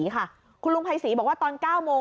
ป้าของน้องธันวาผู้ชมข่าวอ่อน